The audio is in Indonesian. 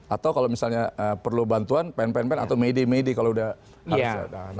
atau kalau misalnya perlu bantuan pengen pengen atau mede mede kalau udah harus ada